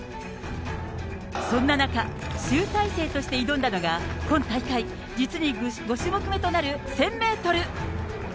そんな中、集大成として挑んだのが、今大会、実に５種目目となる１０００メートル。